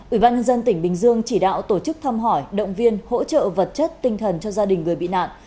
ubnd tỉnh bình dương chỉ đạo tổ chức thăm hỏi động viên hỗ trợ vật chất tinh thần cho gia đình người bị nạn